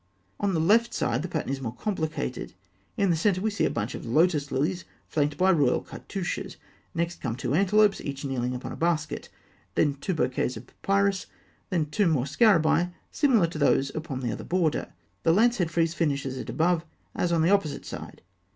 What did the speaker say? On the left side, the pattern is more complicated (fig. 273). In the centre we see a bunch of lotus lilies flanked by royal cartouches. Next come two antelopes, each kneeling upon a basket; then two bouquets of papyrus; then two more scarabaei, similar to those upon the other border. The lance head frieze finishes it above, as on the opposite side.